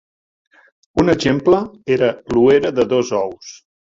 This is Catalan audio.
Un exemple era l'ouera de dos ous.